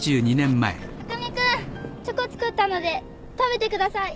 巧君チョコ作ったので食べてください